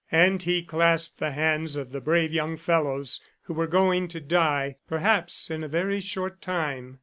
And he clasped the hands of the brave young fellows who were going to die, perhaps in a very short time.